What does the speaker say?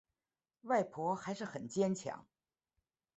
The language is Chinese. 外婆还是很坚强